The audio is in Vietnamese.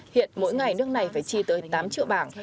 hiện mỗi ngày nước này phải chi tới tám triệu bảng